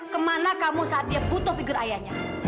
kemana kamu saat dia butuh pikir ayahnya